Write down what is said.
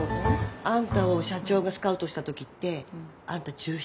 あんたを社長がスカウトした時ってあんた１７？